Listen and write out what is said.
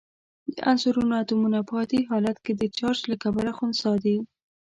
د عنصرونو اتومونه په عادي حالت کې د چارج له کبله خنثی دي.